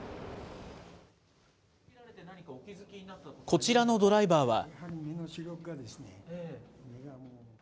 こちらのドライバーは。